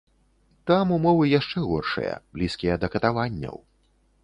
Там умовы яшчэ горшыя, блізкія да катаванняў.